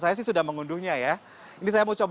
saya sih sudah mengunduhnya ya